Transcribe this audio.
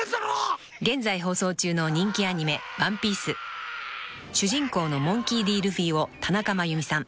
［現在放送中の人気アニメ『ワンピース』］［主人公のモンキー・Ｄ・ルフィを田中真弓さん］